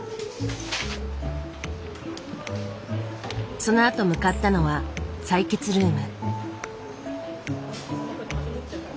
そのあと向かったのは採血ルーム。